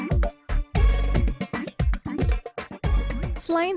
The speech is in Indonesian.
yang ditargetkan menjadi bandara terbesar dunia